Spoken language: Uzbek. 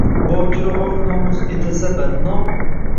Bokira or-nomus etilsa badnom.